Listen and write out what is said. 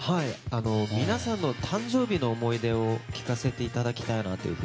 皆さんの誕生日の思い出を聞かせていただきたいなと。